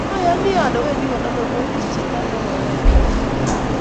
oyoni ale wendi konomei polis chito nekoyai kou noto